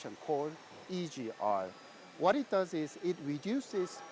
pengurangan air air di dalam mesin yang disebut egr